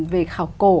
về khảo cổ